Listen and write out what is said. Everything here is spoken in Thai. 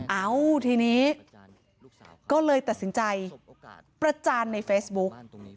เอ้าทีนี้ก็เลยตัดสินใจประจานในเฟซบุ๊ก